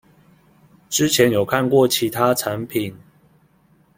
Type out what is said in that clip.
之前有看過其他產品